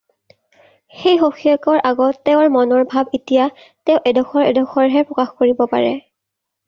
সেই সখীয়েকৰ আগত তেওঁৰ মনৰ ভাব এতিয়া তেওঁ এডোখৰ এডোখৰহে প্ৰকাশ কৰিব পাৰে।